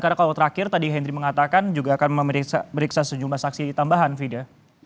karena kalau terakhir tadi hendry mengatakan juga akan memeriksa sejumlah saksi tambahan fida